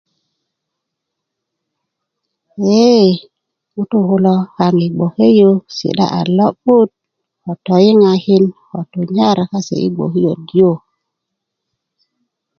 eee ŋutu kulo kaŋ yi gboke yu si'da a lo'but ko toyiŋakin ko tunyar kase i gbokiot yu